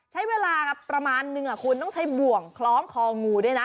ใช้เวลาประมาณนึงคุณต้องใช้บ่วงคล้องคองูด้วยนะ